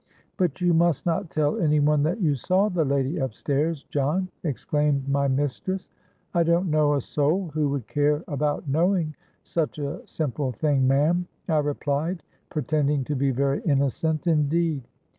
—'But you must not tell any one that you saw the lady up stairs, John,' exclaimed my mistress.—'I don't know a soul who would care about knowing such a simple thing, ma'am,' I replied, pretending to be very innocent indeed.